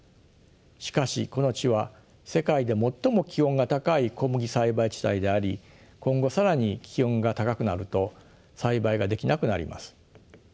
しかしこの地は世界で最も気温が高い小麦栽培地帯であり今後更に気温が高くなると栽培ができなくなります。